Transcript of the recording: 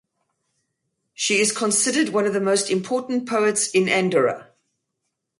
She is considered one of the most important poets in Andorra.